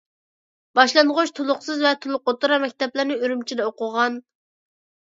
باشلانغۇچ، تولۇقسىز ۋە تولۇق ئوتتۇرا مەكتەپلەرنى ئۈرۈمچىدە ئوقۇغان.